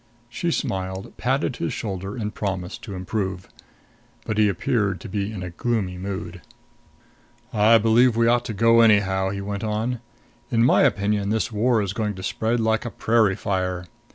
She smiled, patted his shoulder and promised to improve. But he appeared to be in a gloomy mood. "I believe we ought to go, anyhow," he went on. "In my opinion this war is going to spread like a prairie fire.